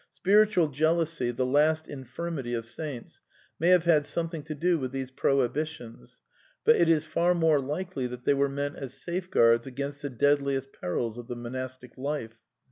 Spiritual jealousy — the last infirmity of saints — may have had something to do with these prohibitions ; but it is far more likely that they were meant as safeguards against the dead ^ liest perils of the monastic life.